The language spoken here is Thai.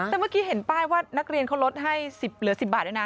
แต่เมื่อกี้เห็นป้ายว่านักเรียนเขาลดให้เหลือ๑๐บาทด้วยนะ